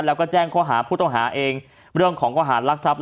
แล้วก็แจ้งข้อหาผู้ต้องหาเองเรื่องของข้อหารลักทรัพย